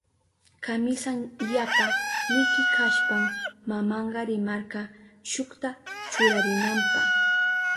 Kamisan yapa liki kashpan mamanka rimarka shukta churarinanpa.